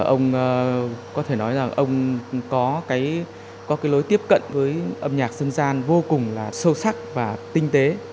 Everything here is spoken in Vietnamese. ông có thể nói rằng ông có cái lối tiếp cận với âm nhạc dân gian vô cùng là sâu sắc và tinh tế